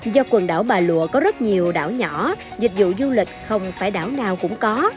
do quần đảo bà lụa có rất nhiều đảo nhỏ dịch vụ du lịch không phải đảo nào cũng có